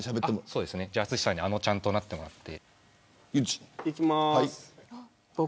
そうですね、じゃあ淳さんにあのちゃんとなってもらって。